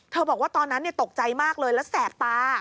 บอกว่าตอนนั้นตกใจมากเลยแล้วแสบตา